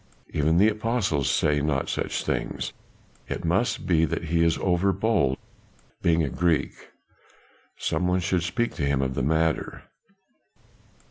Even the apostles say not such things, it must be that he is over bold being a Greek. Some one should speak to him of the matter."